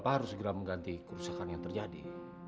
kita harus segera mengganti kerusakan yang terjadi